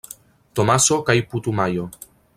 Tomaso kaj Putumajo.